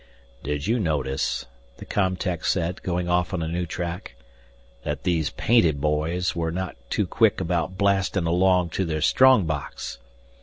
"Did you notice," the com tech said, going off on a new track, "that these painted boys were not too quick about blasting along to their strongbox?